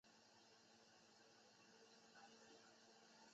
他也代表匈牙利国家足球队参赛。